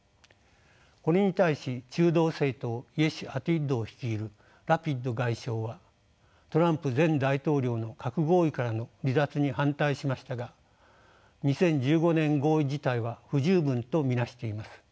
これに対し中道政党「イェシュアティド」を率いるラピド外相はトランプ前大統領の核合意からの離脱に反対しましたが２０１５年合意自体は不十分と見なしています。